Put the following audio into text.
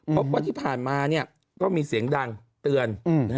พบว่าที่ผ่านมาก็มีเสียงดังเตือน